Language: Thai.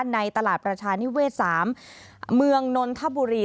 ในตลาดประชานิเวศ๓เมืองนนทบุรี